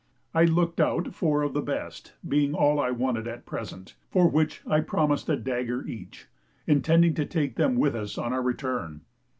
I looked out four of the best, being all I wanted at present, for which I promised a dagger each, intending to take them with us on our return.